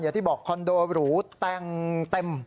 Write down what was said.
อย่างที่บอกคอนโดหรูแต่งเต็ม